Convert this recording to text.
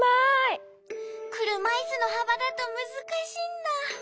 くるまいすのはばだとむずかしいんだ。